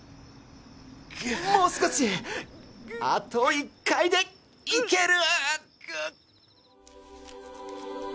もう少しあと１回でいける！